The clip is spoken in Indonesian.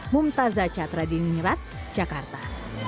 mumtazah chattradinirat jakarta